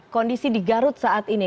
kondisi di garut saat ini